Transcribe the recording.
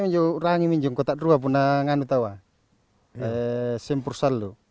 ini juga di bawah ini juga di bawah ini juga ada semprusal